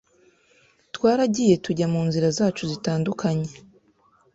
twaragiye tujya munzira zacu zitandukanye ...